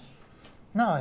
なあ？